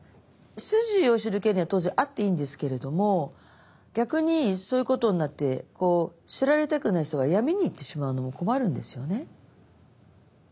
出自を知る権利は当然あっていいんですけれども逆にそういうことになって知られたくない人が闇にいってしまうのも困るんですよね。